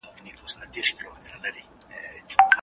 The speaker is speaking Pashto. په سختيو او ستونزو کي خپل دوستان ښه پيژندلای سئ.